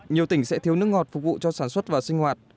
nhiều tỉnh sẽ thiếu nước ngọt phục vụ cho sản xuất và sinh hoạt